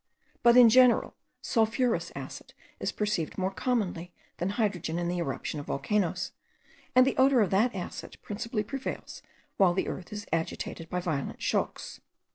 But in general, sulphurous acid is perceived more commonly than hydrogen in the eruption of volcanoes, and the odour of that acid principally prevails while the earth is agitated by violent shocks.